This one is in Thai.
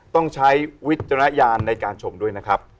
ต้องใช้วิจารณญาณในการชมด้วยนะครับ